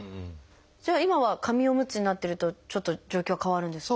じゃあ今は紙おむつになってるとちょっと状況は変わるんですか？